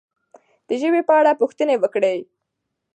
د ژبې په اړه پوښتنې وکړئ.